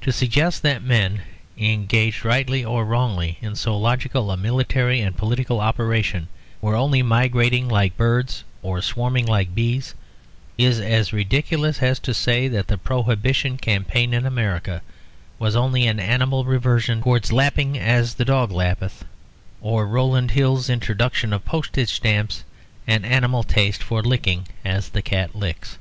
To suggest that men engaged, rightly or wrongly, in so logical a military and political operation were only migrating like birds or swarming like bees is as ridiculous as to say that the Prohibition campaign in America was only an animal reversion towards lapping as the dog lappeth, or Rowland Hill's introduction of postage stamps an animal taste for licking as the cat licks.